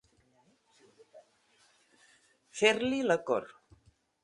Fer-li la cort.